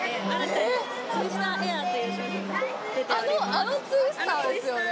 あのツイスターですよね？